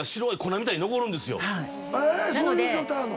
そういう状態あるの？